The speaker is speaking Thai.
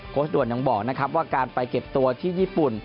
ด่วนยังบอกนะครับว่าการไปเก็บตัวที่ญี่ปุ่น